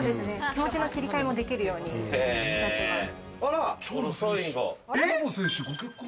気持ちの切り替えもできるようになってます。